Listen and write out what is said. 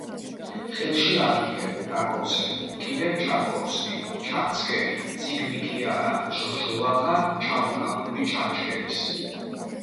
ხელში აგიღებ... გაკოცებ, კიდევ ჩაგკოცნი... ჩაგცქერი; წიგნი კი არა, - ჟრჟოლა ხარ, ჩამოქაფული ჩანჩქერის.